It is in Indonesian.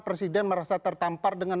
presiden merasa tertampar dengan